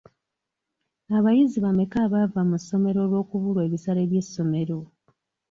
Abayizi bameka abaava mu ssomero olw'okubulwa ebisale by'essomero.?